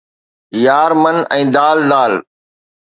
يار من ۽ دال دال